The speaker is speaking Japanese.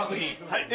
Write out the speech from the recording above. はい。